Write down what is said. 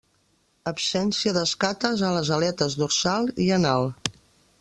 Absència d'escates a les aletes dorsal i anal.